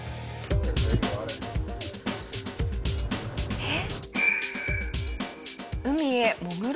えっ？